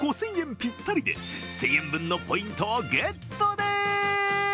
ぴったりで１０００円分のポイントをゲットです。